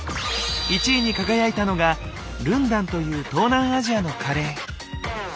１位に輝いたのがルンダンという東南アジアのカレー。